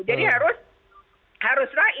jadi harus haruslah